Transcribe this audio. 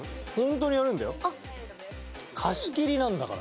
貸し切りなんだから。